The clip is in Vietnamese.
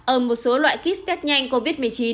ở một số loại kit test nhanh covid một mươi chín